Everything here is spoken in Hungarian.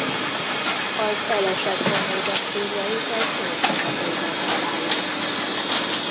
Az elesett honvédek sírjait az új temetőben találjuk.